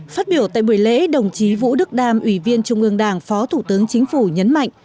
phát biểu tại buổi lễ đồng chí vũ đức đam ủy viên trung ương đảng phó thủ tướng chính phủ nhấn mạnh